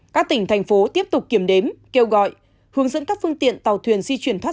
các tỉnh thành phố tiếp tục kiểm đếm kêu gọi hướng dẫn các phương tiện tàu thuyền di chuyển thoát